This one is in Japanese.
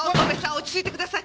落ち着いてください。